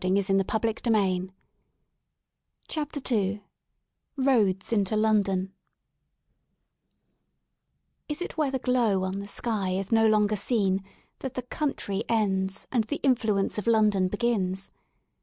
29 ROADS INTO LONDON CHAPTER II ROADS INTO LONDON IS it where the glow on the sky is no longer seen that ^*the country" ends and the influence of London begins?